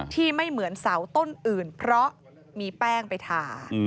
ที่ไม่เหมือนเสาต้นอื่นเพราะมีแป้งไปทา